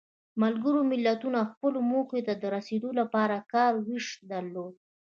ملګرو ملتونو خپلو موخو ته د رسیدو لپاره کار ویش درلود.